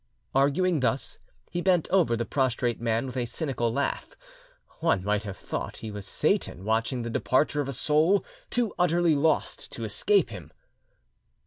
Arguing thus, he bent over the prostrate man with a cynical laugh: one might have thought he was Satan watching the departure of a soul too utterly lost to escape him.